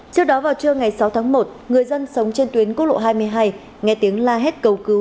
trước đó vào trưa ngày sáu tháng một người dân sống trên tuyến quốc lộ hai mươi hai nghe tiếng la hét cầu cứu